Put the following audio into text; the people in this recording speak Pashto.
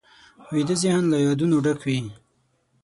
ویده ذهن له یادونو ډک وي